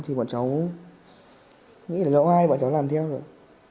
thì bọn cháu nghĩ là oai bọn cháu làm theo rồi